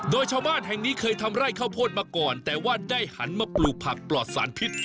โดยชาวบ้านแห่งนี้เคยทำไร่ข้าวโพดมาก่อนแต่ว่าได้หันมาปลูกผักปลอดสารพิษ